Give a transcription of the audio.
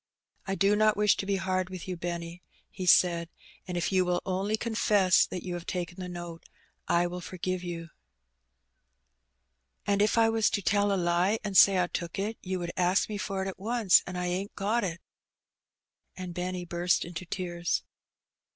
"I do not wish to be hard with you, Benny," he said; "and if you will only confess that you have taken the note, I will forgive you." " And if I was to tell a lie and say I took it, you would ask me for it at once, and I ain't got it." And Benny burst into tears.